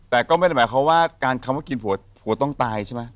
แต่ก็ไม่หมายความว่าการกินผัวต้องตายใช่มั้ย